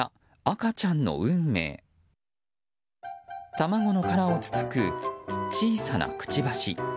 卵の殻をつつく小さなくちばし。